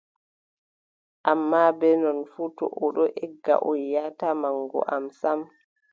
Ammaa, bee non fuu, to o ɗon egga, o yiʼataa maŋgu am sam,